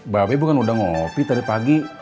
bobi bukan udah ngopi tadi pagi